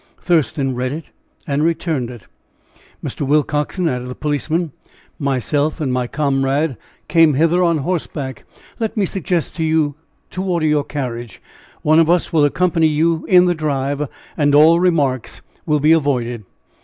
Thurston read it and returned it. "Mr. Willcoxen," added the policeman, "myself and my comrade came hither on horseback. Let me suggest to you to order your carriage. One of us will accompany you in the drive, and all remarks will be avoided."